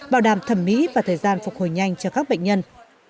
bảo đảm thẩm mỹ và thời gian phục hồi nhanh cho các bệnh nhân